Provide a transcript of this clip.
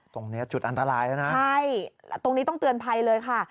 ตรงนี้จุดอันตรายแล้วนะใช่ตรงนี้ต้องเตือนภัยเลยค่ะ